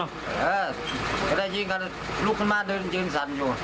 ก็ได้ยินกันลุกขึ้นมาเดินยืนสั่นอยู่